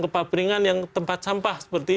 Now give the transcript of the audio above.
ke paperingan yang tempat sampah seperti